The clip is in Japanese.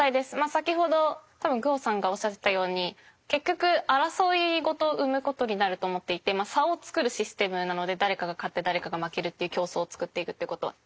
先ほどグオさんがおっしゃっていたように結局争いごとを生むことになると思っていて差を作るシステムなので誰かが勝って誰かが負けるっていう競争を作っていくっていうことは。